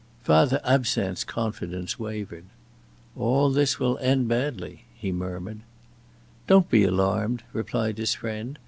Father Absinthe's confidence wavered. "All this will end badly," he murmured. "Don't be alarmed," replied his friend.